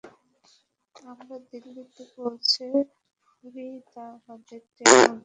আমরা দিল্লিতে পৌঁছে ফরিদাবাদের ট্রেনে উঠবো।